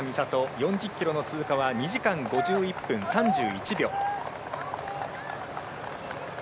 ４０ｋｍの通過は２時間５１分３１秒。